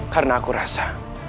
karena aku rasa